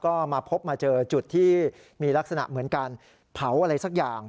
ก็มาพบมาเจอจุดที่มีลักษณะเหมือนการเผาอะไรสักอย่าง